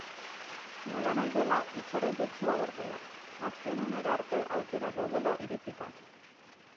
Nolanahi dela, itxaropentsu agertu da, azken unera arte aukerak daudela iritzita.